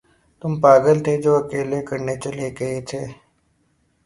تم پاگل تھے جو اکیلے کرنے چلے گئے تھے۔